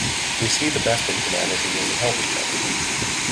We see the best in humanity when we help each other.